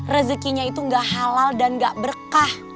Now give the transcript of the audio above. rezekinya itu gak halal dan gak berkah